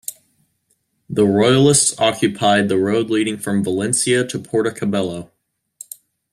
The Royalists occupied the road leading from Valencia to Puerto Cabello.